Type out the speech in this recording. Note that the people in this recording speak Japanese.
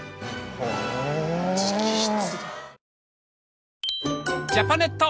直筆。